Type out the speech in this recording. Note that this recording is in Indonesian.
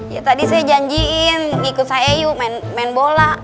ya tadi saya janjiin ikut saya yuk main bola